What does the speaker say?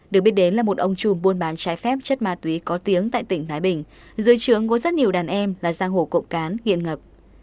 được biết đến là một ông chùm buôn bán trái phép chất ma túy có tiếng tại tỉnh thái bình dưới trướng có rất nhiều đàn em là giang hồ cộng cán ngập